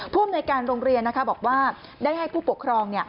อำนวยการโรงเรียนบอกว่าได้ให้ผู้ปกครอง